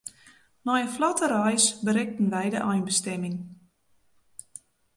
Nei in flotte reis berikten wy de einbestimming.